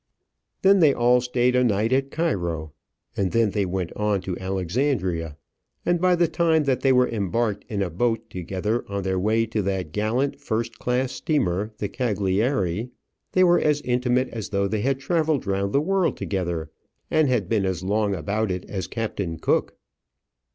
Then they all stayed a night at Cairo, and then they went on to Alexandria. And by the time that they were embarked in a boat together, on their way to that gallant first class steamer, the "Cagliari," they were as intimate as though they had travelled round the world together, and had been as long about it as Captain Cook.